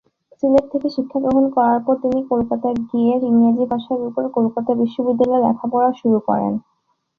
সিলেট থেকে শিক্ষা গ্রহণ করার পর তিনি কলকাতা গিয়ে ইংরেজি ভাষার উপর কলকাতা বিশ্ববিদ্যালয়ে লেখাপড়া শুরু করেন।